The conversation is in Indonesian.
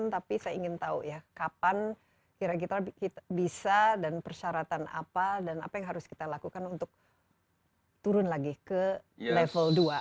tapi saya ingin tahu ya kapan kira kira bisa dan persyaratan apa dan apa yang harus kita lakukan untuk turun lagi ke level dua